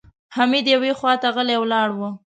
حميد يوې خواته غلی ولاړ و.